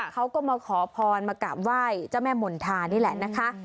เขาก็มาขอพรมากราบไหว้เจ้าแม่มณฑานี่แหละนะคะ